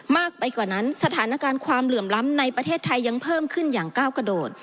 มากไปกว่านั้นสถานการณ์ความเหลื่อมล้ำในประเทศไทยยังเพิ่มขึ้นอย่างก้าวกระโดด